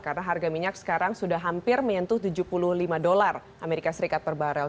karena harga minyak sekarang sudah hampir menyentuh tujuh puluh lima dolar amerika serikat per barrel